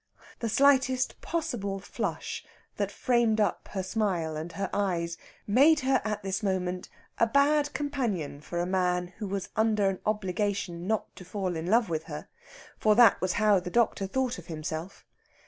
The slightest possible flush, that framed up her smile and her eyes, made her at this moment a bad companion for a man who was under an obligation not to fall in love with her for that was how the doctor thought of himself.